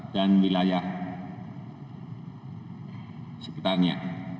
dan wilayah sekitarnya